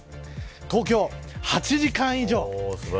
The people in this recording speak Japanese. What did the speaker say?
東京、８時間以上。